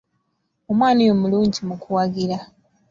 Omwana oyo mulungi mu kuwagira.